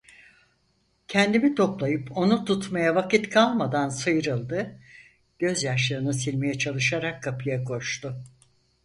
Kendimi toplayıp onu tutmaya vakit kalmadan sıyrıldı, gözyaşlarını silmeye çalışarak kapıya koştu.